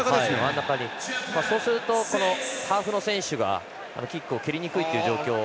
そうするとハーフの選手がキックを蹴りにくいという状況